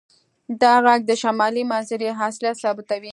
دا غږ د شمالي منظرې اصلیت ثابتوي